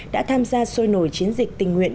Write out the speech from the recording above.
đã tham gia sôi nổi chiến dịch tình nguyện